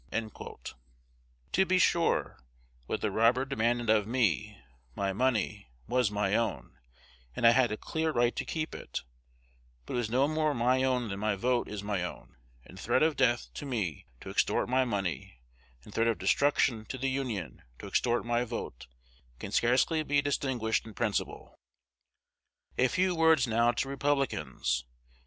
To be sure, what the robber demanded of me my money was my own; and I had a clear right to keep it; but it was no more my own than my vote is my own; and threat of death to me to extort my money, and threat of destruction to the Union to extort my vote, can scarcely be distinguished in principle. A few words now to Republicans.